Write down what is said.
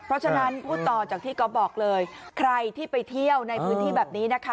เพราะฉะนั้นพูดต่อจากที่ก๊อฟบอกเลยใครที่ไปเที่ยวในพื้นที่แบบนี้นะคะ